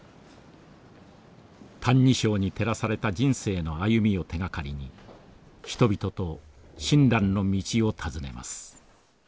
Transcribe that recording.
「歎異抄」に照らされた人生の歩みを手がかりに人々と親鸞の道を訪ねます。